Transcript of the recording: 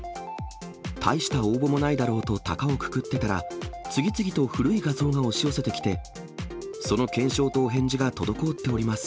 大した応募もないだろうとたかをくくってたら、次々と古い画像が押し寄せてきて、その検証とお返事が滞っております。